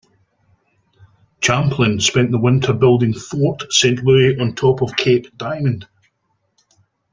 Champlain spent the winter building Fort Saint-Louis on top of Cape Diamond.